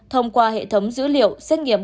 thông qua hệ thống dữ liệu xét nghiệm